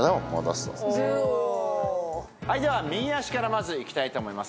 では右足からまずいきたいと思います。